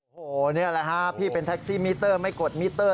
โอ้โหนี่แหละฮะพี่เป็นแท็กซี่มิเตอร์ไม่กดมิเตอร์